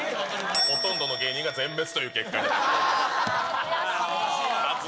ほとんどの芸人が全滅という結果になっております。